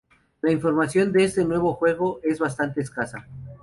La información de este nuevo juego es bastante escasa.